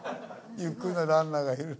ゆっくりなランナーがいる。